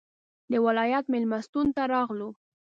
د ولایت مېلمستون ته راغلو.